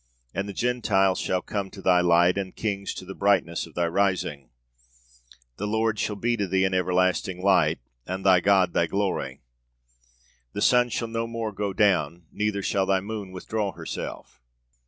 And the Gentiles shall come to thy light, and kings to the brightness of thy rising.... The Lord shall be to thee an everlasting light, and thy God thy glory.... The sun shall no more go down, neither shall thy moon withdraw herself.'